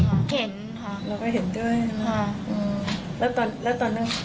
แล้วก็เห็นด้วยนะครับอืมแล้วตอนนั้น